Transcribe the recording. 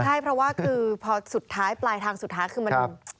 ใช่เพราะว่าคือพอสุดท้ายปลายทางสุดท้ายคือมัน